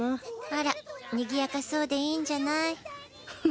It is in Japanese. あらにぎやかそうでいいんじゃない？ハハハ。